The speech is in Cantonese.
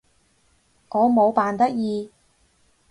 我冇扮得意